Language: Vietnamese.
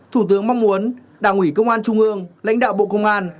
thủ tướng mong muốn đảng ủy công an trung ương lãnh đạo bộ công an